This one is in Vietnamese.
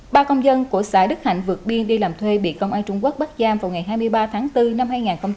ba công dân của xã đức hạnh vượt biên đi làm thuê bị công an trung quốc bắt giam vào ngày hai mươi ba tháng bốn năm hai nghìn hai mươi ba